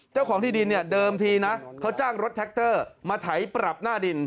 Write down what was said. เจ้าของที่ดินเนี่ยเดิมทีนะเขาจ้างรถแท็กเตอร์มาไถปรับหน้าดิน